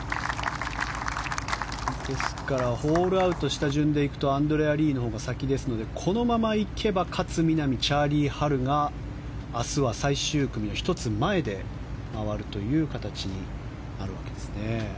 ホールアウトした順でいくとアンドレア・リーのほうが先ですので、このままいけば勝みなみ、チャーリー・ハルが明日は最終組の１つ前で回るという形になるわけですね。